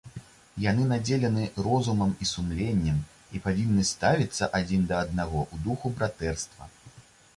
Яны надзелены розумам і сумленнем і павінны ставіцца адзін да аднаго ў духу братэрства.